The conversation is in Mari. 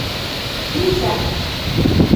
«Витя!